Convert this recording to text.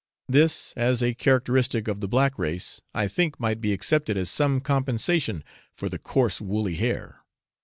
This, as a characteristic of the black race, I think might be accepted as some compensation for the coarse woolly hair.